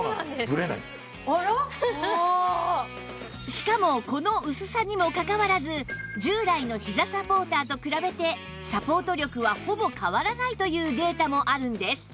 しかもこの薄さにもかかわらず従来のひざサポーターと比べてサポート力はほぼ変わらないというデータもあるんです